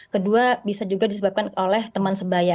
kedua bisa juga disebabkan oleh teman sebaya